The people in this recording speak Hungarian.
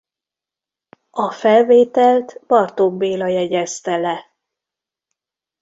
A felvételt Bartók Béla jegyezte le.